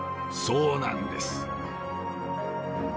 そうなんです。